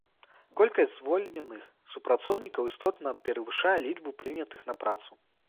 Колькасць звольненых супрацоўнікаў істотна перавышае лічбу прынятых на працу.